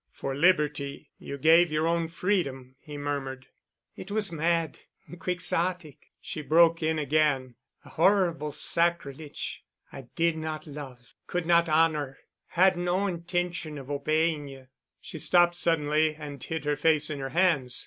"For Liberty—you gave your own freedom——" he murmured. "It was mad—Quixotic——" she broke in again, "a horrible sacrilege. I did not love, could not honor, had no intention of obeying you...." She stopped suddenly, and hid her face in her hands.